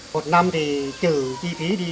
một năm thì trừ chi phí đi